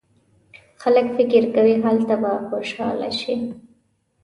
خلک فکر کوي هلته به خوشاله شي.